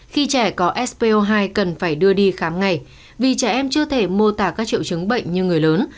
khi trẻ có sp hai cần phải đưa đi khám ngày vì trẻ em chưa thể mô tả các triệu chứng bệnh như người lớn